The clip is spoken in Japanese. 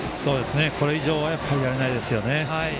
これ以上はやられたくないですね。